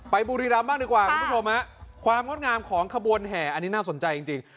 บุรีรำบ้างดีกว่าคุณผู้ชมฮะความงดงามของขบวนแห่อันนี้น่าสนใจจริง